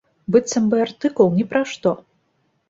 Быццам бы артыкул ні пра што.